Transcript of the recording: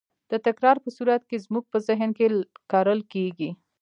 د تکرار په صورت کې زموږ په ذهن کې کرل کېږي.